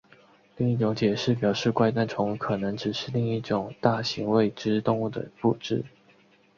另一种解释表示怪诞虫可能只是另一种大型未知动物的附肢。